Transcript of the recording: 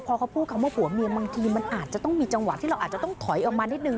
พอเขาพูดคำว่าผัวเมียบางทีมันอาจจะต้องมีจังหวะที่เราอาจจะต้องถอยออกมานิดนึ